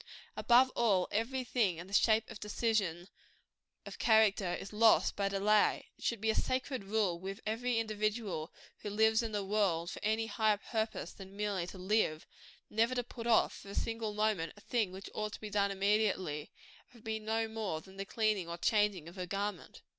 Above all, every thing in the shape of decision of character is lost by delay. It should be a sacred rule with every individual who lives in the world for any higher purpose than merely to live, never to put off, for a single moment, a thing which ought to be done immediately if it be no more than the cleaning or changing of a garment.